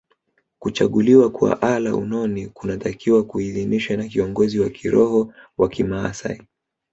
Kuchaguliwa kwa alaunoni kunatakiwa kuidhinishwe na kiongozi wa kiroho wa kimaasai